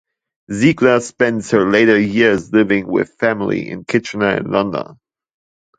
Ziegler spent her later years living with family in Kitchener and London.